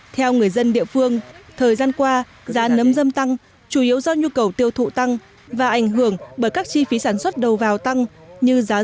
theo người dân địa phương thời gian qua giá nấm dâm tăng chủ yếu do nhu cầu tiêu thụ tăng và ảnh hưởng bởi các chi phí sản xuất đầu vào tăng như giá